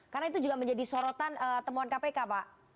karena itu juga menjadi sorotan temuan kpk pak